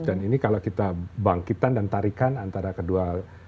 ini kalau kita bangkitan dan tarikan antara kedua